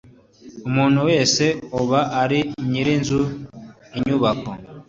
umuntu wese uba ari nyir inzu inyubako